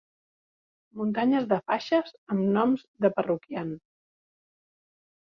Muntanyes de faixes amb noms de parroquians.